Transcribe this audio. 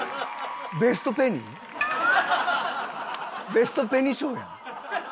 ベストペニ？ベストペニ賞や。